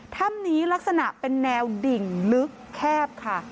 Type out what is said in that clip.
ถ้ำนี้ลักษณะเป็นแนวดิ่งลึกแคบค่ะ